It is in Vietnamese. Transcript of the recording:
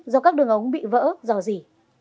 do các đường ống bị vỡ dò dỉ